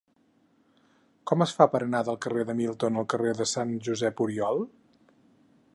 Com es fa per anar del carrer de Milton al carrer de Sant Josep Oriol?